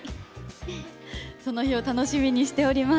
その日を楽しみにしております。